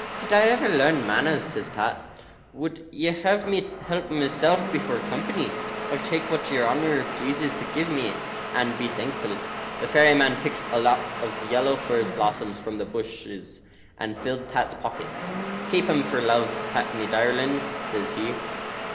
"Did I ever learn manners?" says Pat. "Would you have me help myself before company? I'll take what your honour pleases to give me, and be thankful." The fairy man picked a lot of yellow furze blossoms from the bushes, and filled Pat's pockets. "Keep 'em for love, Pat, me darlin'," says he.